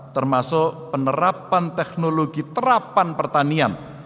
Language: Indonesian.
termasuk penerapan teknologi terapan pertanian